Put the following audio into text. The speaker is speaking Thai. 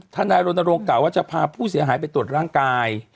นายรณรงค์กล่าว่าจะพาผู้เสียหายไปตรวจร่างกาย